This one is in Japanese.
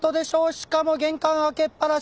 しかも玄関開けっぱなし。